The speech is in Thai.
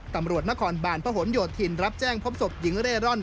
ตำรวจนครบาลพะหนโยธินรับแจ้งพบศพหญิงเร่ร่อน